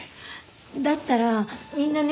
だったらみんなね。